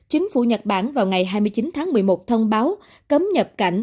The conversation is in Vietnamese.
chính phủ nhật bản vào ngày hai mươi chín tháng một mươi một thông báo cấm nhập cảnh